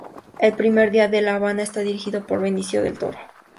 El primer día en la Habana está dirigido por Benicio del Toro.